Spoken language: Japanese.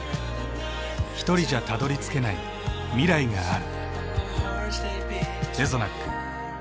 ひとりじゃたどりつけない未来がある。